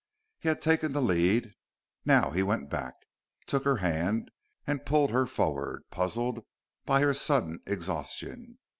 He had taken the lead; now he went back, took her hand and pulled her forward, puzzled by her sudden exhaustion.